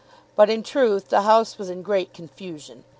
But in truth the house was in great confusion.